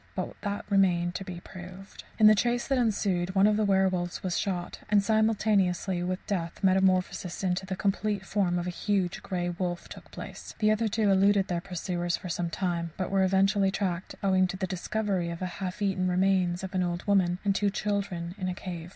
But that remained to be proved. In the chase that ensued one of the werwolves was shot, and, simultaneously with death, metamorphosis into the complete form of a huge grey wolf took place. The other two eluded their pursuers for some time, but were eventually tracked owing to the discovery of the half eaten remains of an old woman and two children in a cave.